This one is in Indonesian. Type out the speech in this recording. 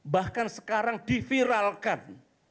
bahkan sekarang diviralkan